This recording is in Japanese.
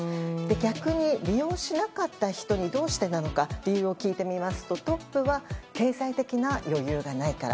逆に利用しなかった人にどうしてなのか理由を聞いてみるとトップは経済的な余裕がないから。